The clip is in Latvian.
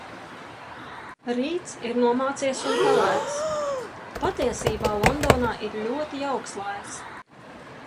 Rīts ir nomācies un pelēks. Patiesībā Londonā ir ļoti jauks laiks.